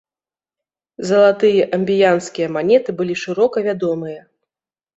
Залатыя амбіянскія манеты былі шырока вядомыя.